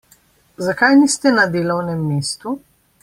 Zakaj niste na delovnem mestu?